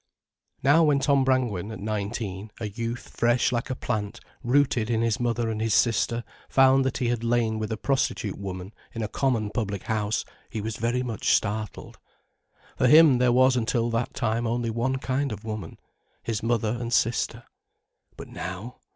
Now when Tom Brangwen, at nineteen, a youth fresh like a plant, rooted in his mother and his sister, found that he had lain with a prostitute woman in a common public house, he was very much startled. For him there was until that time only one kind of woman—his mother and sister. But now?